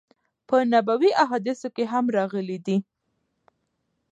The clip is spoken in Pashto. په نبوی حادثو کی هم راغلی دی